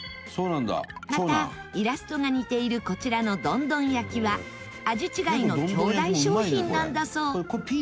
また、イラストが似ているこちらのどんどん焼は味違いの兄弟商品なんだそう千賀：